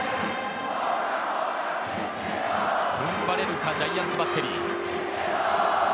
踏ん張れるか、ジャイアンツバッテリー。